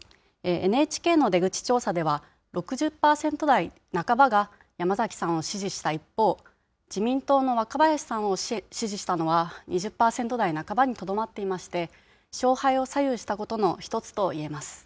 ＮＨＫの出口調査では、６０％台半ばが山崎さんを支持した一方、自民党の若林さんを支持したのは２０％台半ばにとどまっていまして、勝敗を左右したことの一つといえます。